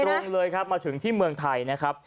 รุงเลยครับมาถึงที่เมืองไทยนะครับ